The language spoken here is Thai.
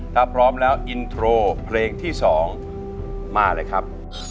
ถ้าพร้อมแล้วอินโทรเพลงที่๒มาเลยครับ